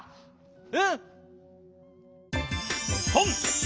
うん！